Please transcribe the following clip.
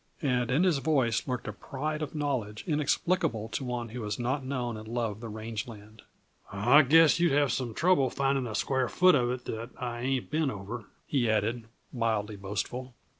And in his voice lurked a pride of knowledge inexplicable to one who has not known and loved the range land. "I guess you'd have some trouble finding a square foot of it that I ain't been over," he added, mildly boastful.